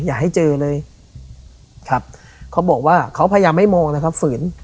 อย่าให้เจอเลยครับเขาบอกว่าเขาพยายามให้มองนะครับฝืน